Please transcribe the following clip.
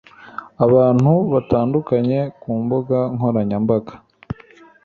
abantu batandukanye ku mbuga nkoranyambaga